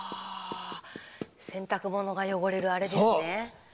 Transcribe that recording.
洗濯物が汚れるあれですね。